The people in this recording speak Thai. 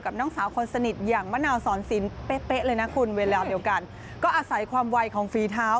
ก็อาศัยความวัยของฟรีเท้า